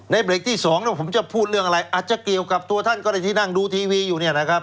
เบรกที่สองผมจะพูดเรื่องอะไรอาจจะเกี่ยวกับตัวท่านก็ได้ที่นั่งดูทีวีอยู่เนี่ยนะครับ